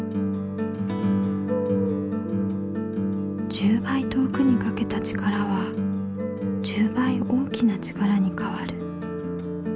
１０ばい遠くにかけた力は１０ばい大きな力にかわる。